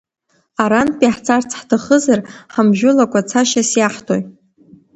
Арантәи ҳцарц ҳҭахызар, ҳамжәылакәа цашьас иаҳҭои?